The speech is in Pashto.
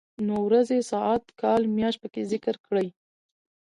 نو ورځې ،ساعت، کال ،مياشت پکې ذکر کړي.